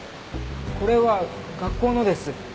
これは学校のです。